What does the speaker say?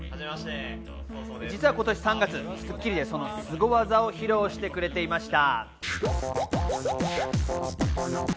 実は今年３月『スッキリ』でそのスゴ技を披露してくれていました。